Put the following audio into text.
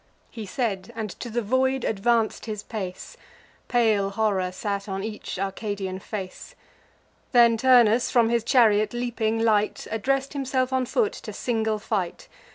He said, and to the void advanc'd his pace: Pale horror sate on each Arcadian face. Then Turnus, from his chariot leaping light, Address'd himself on foot to single fight.